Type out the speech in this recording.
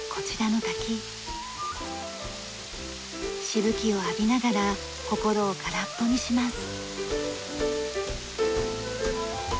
しぶきを浴びながら心を空っぽにします。